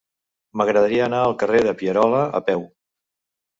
M'agradaria anar al carrer de Pierola a peu.